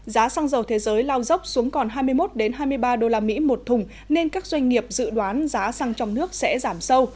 giá xăng dầu thế giới lao dốc xuống còn hai mươi một hai mươi ba usd một thùng nên các doanh nghiệp dự đoán giá xăng trong nước sẽ giảm sâu